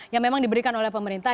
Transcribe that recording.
yang memang diberikan oleh pemerintah